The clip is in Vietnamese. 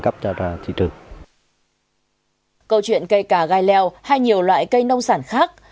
câu chuyện cây cà gai leo hay nhiều loại cây nông sản khác